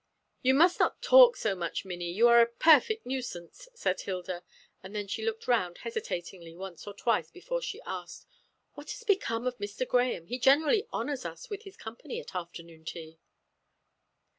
"You must not talk so much, Minnie; you are a perfect nuisance," said Hilda; and then she looked round hesitatingly once or twice before she asked, "What has become of Mr. Grahame? He generally honours us with his company at afternoon tea."